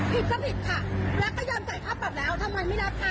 ผิดก็ผิดค่ะแล้วก็ยอมใส่ภาพออกแล้วทำไมไม่รับค่ะ